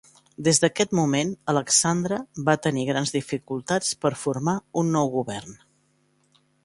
Des d'aquest moment, Alexandre va tenir grans dificultats per formar un nou govern.